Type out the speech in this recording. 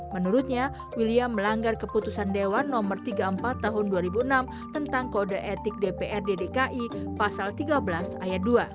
menurutnya william melanggar keputusan dewan nomor tiga puluh empat tahun dua ribu enam tentang kode etik dprd dki pasal tiga belas ayat dua